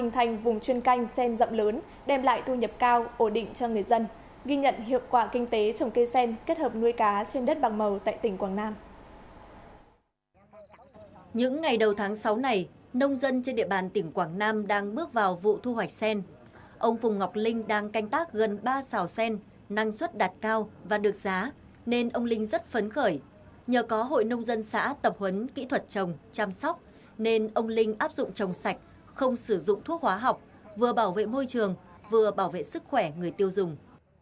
nhờ có hội nông dân xã tập huấn kỹ thuật trồng chăm sóc nên ông linh áp dụng trồng sạch không sử dụng thuốc hóa học vừa bảo vệ môi trường vừa bảo vệ sức khỏe người tiêu dùng